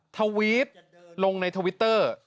ทวีตลงในทวิตเตอร์